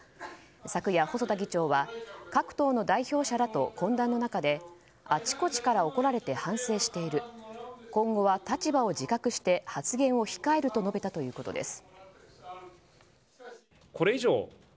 昨夜、細田議長は各党の代表者らと懇談の中であちこちから怒られて反省している今後は立場を自覚して、発言を控えると述べたということです。